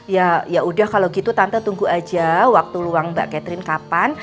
ya ya udah kalau gitu tante tunggu aja waktu luang mbak catherine kapan